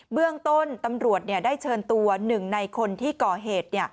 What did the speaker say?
เบื้องต้นตำรวจได้เชิญตัว๑ในคนที่ก่อเหตุ